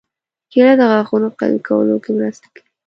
کېله د غاښونو قوي کولو کې مرسته کوي.